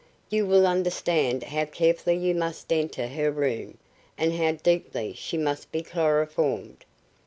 You will understand how carefully you must enter her room and how deeply she must be chloroformed.